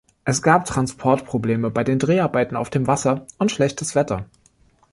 Es gab Transportprobleme bei den Dreharbeiten auf dem Wasser und schlechtes Wetter.